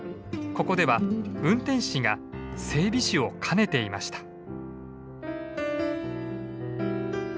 ここでは運転士が整備士を兼ねていました。